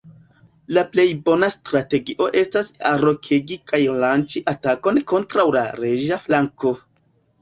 La plej bona strategio estas arokegi kaj lanĉi atakon kontraŭ la reĝa flanko.